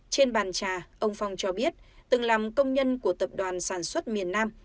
trên bàn trà ông phong cho biết từng làm công nhân của tập đoàn sản xuất miền nam